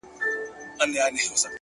د باران پرمهال هره شېبه بدل شکل اخلي،